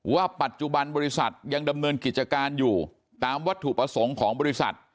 ว่าปัจจุบันบริษัทยังดำเนินกิจการอยู่ตามวัตถุประสงค์ของบริษัท